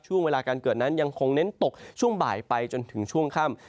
ช่วงเวลาการเกิดนั้นยังคงเน้นตกช่วงบ่ายไปจนถึงช่วงค่ำ